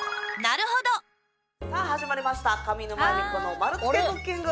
さあ始まりました上沼恵美子の丸つけクッキング。